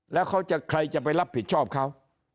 แล้วเขาจะใครจะไปรับผิดชอบเขา